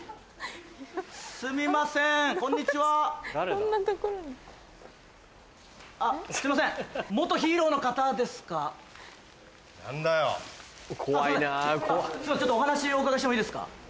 ちょっとお話お伺いしてもいいですか？